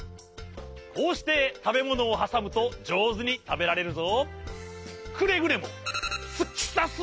こうしてたべものをはさむとじょうずにたべられるぞ。